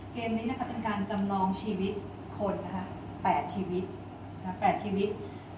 เกมนี้เป็นการจำลองชีวิตคน๘ชีวิต๘ชีวิต